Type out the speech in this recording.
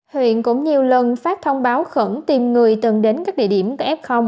huyện cũng nhiều lần phát thông báo khẩn tìm người từng đến các địa điểm tại f